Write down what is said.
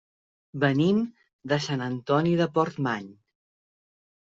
Venim de Sant Antoni de Portmany.